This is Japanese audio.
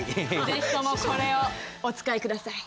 是非ともこれをお使い下さい。